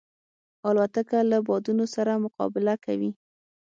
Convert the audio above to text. الوتکه له بادونو سره مقابله کوي.